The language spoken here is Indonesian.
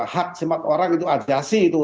hak sifat orang itu adasi itu